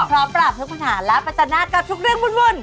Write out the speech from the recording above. พร้อมปราบเครื่องขนาดและปัจจนาดกับทุกเรื่องวุ่น